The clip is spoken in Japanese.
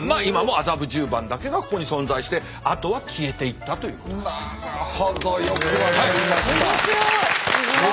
今も麻布十番だけがここに存在してあとは消えていったということなんです。